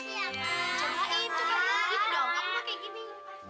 nah kayaknya baju ini cocok dibuat kamu